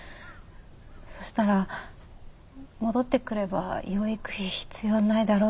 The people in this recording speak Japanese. そしたら戻ってくれば養育費必要ないだろって。